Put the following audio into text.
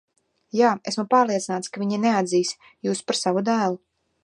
Jā, esmu pārliecināts, ka viņi neatzīs jūs par savu dēlu.